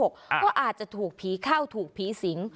ก็อาจจะถูกผีเข้าถูกผีสิง